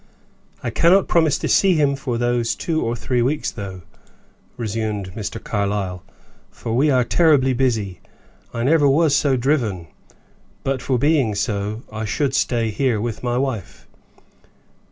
I cannot promise to see him for those two or three weeks, though," resumed Mr. Carlyle, "for we are terribly busy. I never was so driven; but for being so I should stay here with my wife."